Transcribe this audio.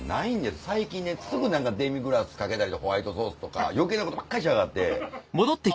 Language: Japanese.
最近ねすぐ何かデミグラスかけたりホワイトソースとか余計なことばっかりしやがって。